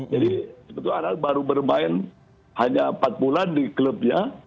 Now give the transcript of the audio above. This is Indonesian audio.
jadi sebetulnya anak baru bermain hanya empat bulan di klubnya